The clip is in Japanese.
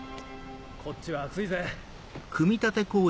こっちは暑いぜ。